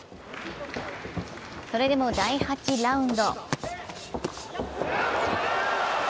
それでも第８ラウンド。